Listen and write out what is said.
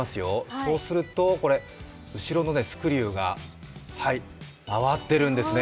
そうすると、後ろのスクリューが回ってるんですね。